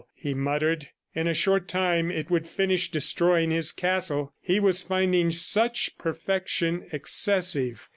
he muttered. In a short time it would finish destroying his castle he was finding such perfection excessive.